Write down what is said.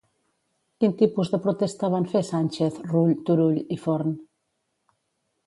Quin tipus de protesta van fer Sànchez, Rull, Turull i Forn?